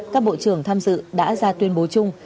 các bộ trưởng tham dự đã ra tuyên bố chung